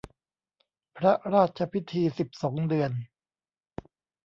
พระราชพิธีสิบสองเดือน